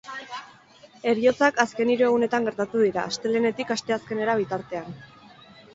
Heriotzak azken hiru egunetan gertatu dira, astelehenetik asteazkenera bitartean.